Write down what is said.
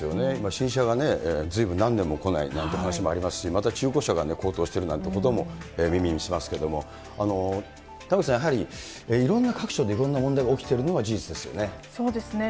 新車がずいぶん何年も来ないなんて話もありますし、また中古車が高騰してるなんてことも耳にしますけれども、玉城さん、いろんな各所でいろんな問題が起きているのは事実ですそうですね。